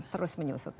terus menyusut ya